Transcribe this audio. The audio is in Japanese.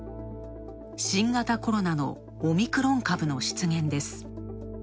新型コロナのオミクロン株の出現です。